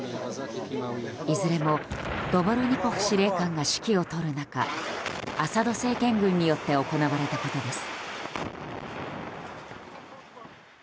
いずれもドボルニコフ司令官が指揮を執る中アサド政権軍によって行われたことです。